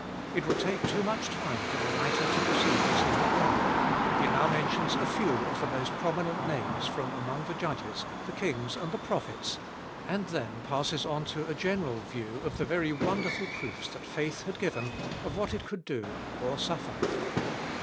It would take too much time for the writer to proceed as he had done ; he now mentions a few of the most prominent names from among the Judges, the Kings, and the Prophets, and then passes on to a general view of the very wonderful proofs that faith had given of what it could do or suffer.